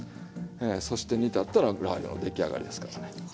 そして煮立ったらラー油の出来上がりですからね。